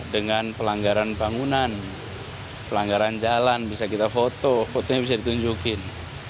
dengan pelanggaran bangunan pelanggaran jalan bisa kita foto fotonya bisa ditunjukin